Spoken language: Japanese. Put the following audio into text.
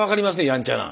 やんちゃな。